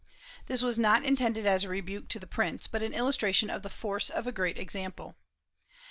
This was not intended as a rebuke to the prince, but an illustration of the force of a great example.